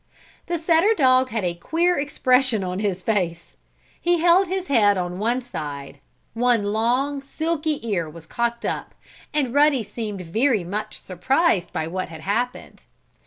The setter dog had a queer expression on his face. He held his head on one side, one long, silky ear was cocked up and Ruddy seemed very much surprised by what had happened.